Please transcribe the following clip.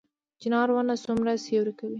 چنار ونه څومره سیوری کوي؟